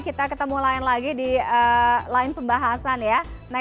kita ketemu lain lagi di lain pembahasan ya